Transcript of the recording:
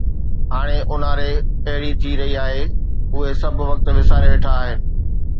هاڻي اونهاري اهڙي ئي رهي آهي، اهي سڀ وقت وساري ويٺا آهن